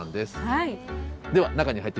はい！